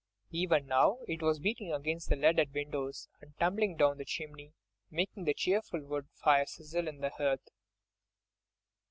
Even now it was beating against the leaded windows, and tumbling down the chimney, making the cheerful wood fire sizzle in the hearth.